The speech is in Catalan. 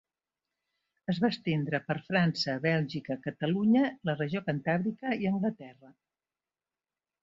Es va estendre per França, Bèlgica, Catalunya, la regió cantàbrica i Anglaterra.